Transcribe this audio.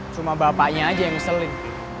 cuma bapaknya aja yang nyeselin